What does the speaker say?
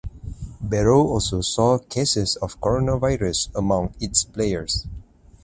Beroe also saw cases of coronavirus among its players.